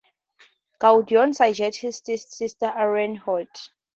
Gwydion suggests his sister, Arianrhod.